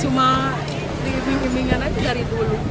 cuma diimbing imbingan aja dari dulu